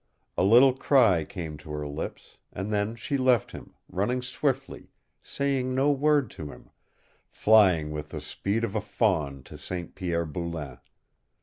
A little cry came to her lips, and then she left him, running swiftly, saying no word to him, flying with the speed of a fawn to St. Pierre Boulain!